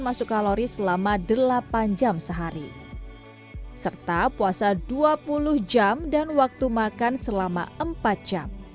masuk kalori selama delapan jam sehari serta puasa dua puluh jam dan waktu makan selama empat jam